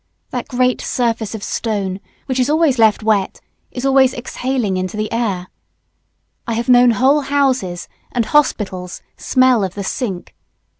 That great surface of stone, which is always left wet, is always exhaling into the air. I have known whole houses and hospitals smell of the sink.